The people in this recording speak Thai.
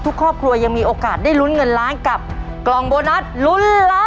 ครอบครัวยังมีโอกาสได้ลุ้นเงินล้านกับกล่องโบนัสลุ้นล้าน